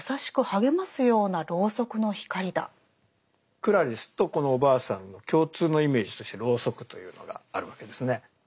クラリスとこのおばあさんの共通のイメージとしてロウソクというのがあるわけですね。